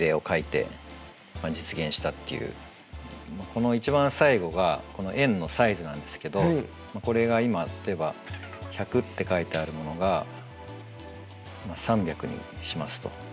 この一番最後がこの円のサイズなんですけどこれが今例えば「１００」って書いてあるものが３００にしますと。